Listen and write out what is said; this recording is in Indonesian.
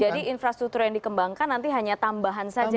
jadi infrastruktur yang dikembangkan nanti hanya tambahan saja ya